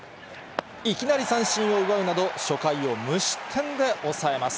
いきなり三振を奪うなど、初回を無失点で抑えます。